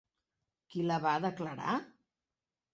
Qui la va declarar?